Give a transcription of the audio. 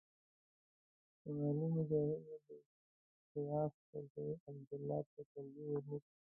شمالي مجاهدین به د سیاف پر ځای عبدالله ته ترجېح ور نه کړي.